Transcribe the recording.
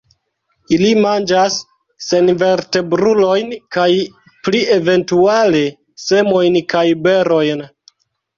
Ili manĝas senvertebrulojn kaj pli eventuale semojn kaj berojn.